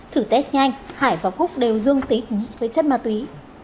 thử test nhanh hải và phúc đều dương tính với chất ma túy